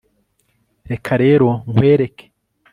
reka rero nkwereke